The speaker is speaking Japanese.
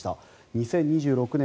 ２０２６年